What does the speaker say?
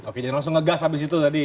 oke jadi langsung ngegas habis itu tadi